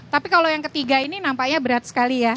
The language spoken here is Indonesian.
tapi kalau yang ketiga ini nampaknya berat sekali ya